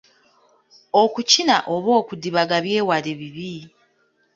Okukiina oba okudibaga byewale bibi.